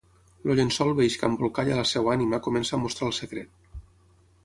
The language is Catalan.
El llençol beix que embolcalla la seva ànima comença a mostrar el secret.